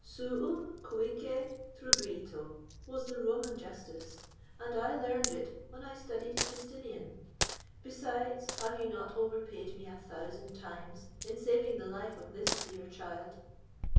'Suum cuique tribuito,' was the Roman justice, and I learned it when I studied Justinian. Besides, have you not overpaid me a thousand times, in saving the life of this dear child?"